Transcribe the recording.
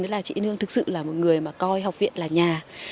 đó là chị yên hương thực sự là một người mà coi học viện là nhà